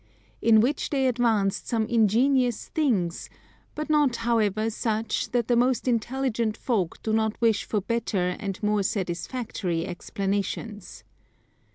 In which they advanced some ingenious things, but not however such that the most intelligent folk do not wish for better and more satisfactory explanations.